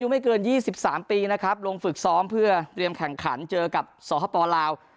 ไม่เกิน๒๓ปีนะครับลงฝึกซ้อมเพื่อเตรียมแข่งขันเจอกับสหปลาว